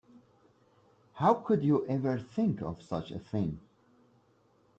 How could you ever think of such a thing?